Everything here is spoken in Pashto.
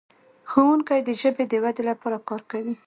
ښوونکي د ژبې د ودې لپاره کار کوي.